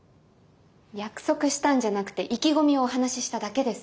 約束したんじゃなくて意気込みをお話ししただけです。